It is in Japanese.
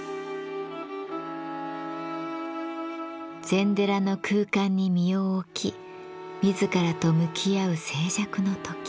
禅寺の空間に身を置き自らと向き合う静寂の時。